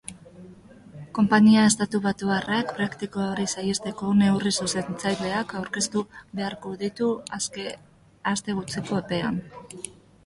Konpainia estatubatuarrak praktika hori saihesteko neurri zuzentzaileak aurkeztu beharko ditu aste gutxiko epean.